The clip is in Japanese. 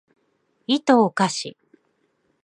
いとをかし